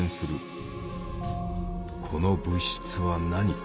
この物質は何か？